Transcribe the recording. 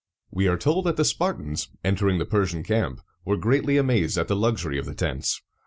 We are told that the Spartans, entering the Persian camp, were greatly amazed at the luxury of the tents.